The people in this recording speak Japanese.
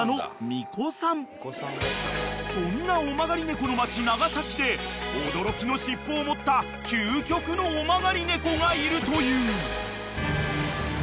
［そんな尾曲がり猫の街長崎で驚きの尻尾を持った究極の尾曲がり猫がいるという］